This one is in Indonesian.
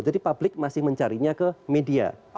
jadi publik masih mencarinya ke media